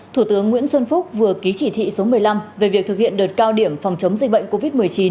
thủ tướng nguyễn xuân phúc vừa ký chỉ thị số một mươi năm về việc thực hiện đợt cao điểm phòng chống dịch bệnh covid một mươi chín